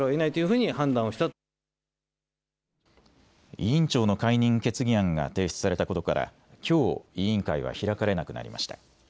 委員長の解任決議案が提出されたことから、きょう委員会は開かれなくなりました。